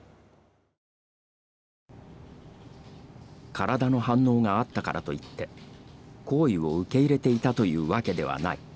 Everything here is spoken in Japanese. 体の反応があったからといって行為を受け入れていたというわけではない。